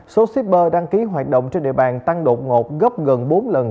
số shipper đăng ký hoạt động trên địa bàn tăng đột ngột gấp gần bốn lần